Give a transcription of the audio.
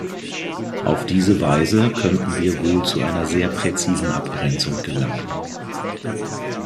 Auf diese Weise könnten wir wohl zu einer sehr präzisen Abgrenzung gelangen.